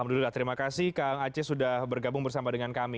alhamdulillah terima kasih kang aceh sudah bergabung bersama dengan kami